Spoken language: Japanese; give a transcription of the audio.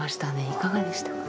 いかがでしたか？